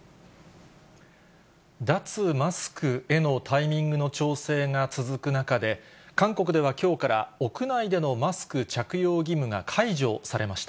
脱マスクへのタイミングの調整が続く中で、韓国ではきょうから屋内でのマスク着用義務が解除されました。